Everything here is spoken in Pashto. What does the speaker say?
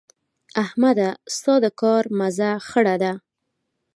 احمده؛ ستا د کار مزه خړه ده.